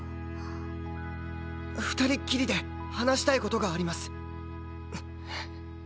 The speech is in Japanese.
二人っきりで話したい事があります。